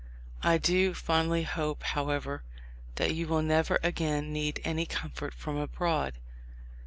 I do fondly hope, however, that you will never again need any comfort from abroad